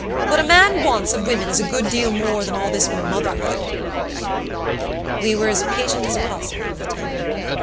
What a man wants of women is a good deal more than all this 'motherhood'!" We were as patient as possible with Terry.